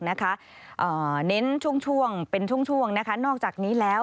เน้นช่วงเป็นช่วงนอกจากนี้แล้ว